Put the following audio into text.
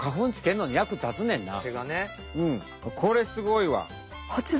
これすごいわ。